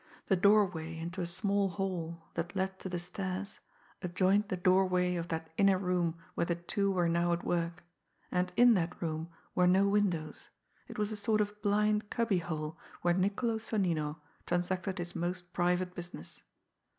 The doorway into a small hall that led to the stairs adjoined the doorway of that inner room where the two were now at work and in that room were no windows, it was a sort of blind cubby hole where Niccolo Sonnino transacted his most private business.